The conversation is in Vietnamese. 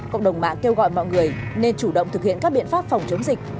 cộng đồng mạng kêu gọi mọi người nên chủ động thực hiện các biện pháp phòng chống dịch